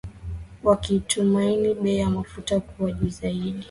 wakitumaini bei ya mafuta kuwa juu zaidi